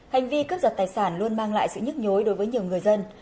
hành vi cướp giật tài sản luôn mang lại sự nhức nhối đối với nhiều người dân